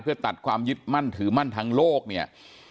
เพื่อตัดความยึดมั่นถือมั่นทางโลกเนี่ย